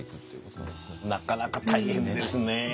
なかなか大変ですね。